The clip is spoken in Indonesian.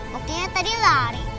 pokoknya tadi lari